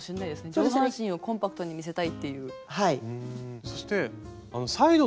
上半身をコンパクトに見せたいっていう。